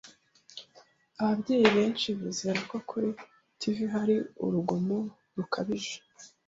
Ababyeyi benshi bizera ko kuri TV hari urugomo rukabije.